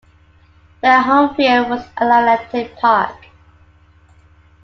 Their home field was Athletic Park.